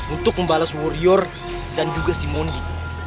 untuk membalas warrior dan juga si mongi